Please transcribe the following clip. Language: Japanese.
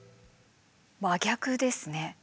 真逆ですね。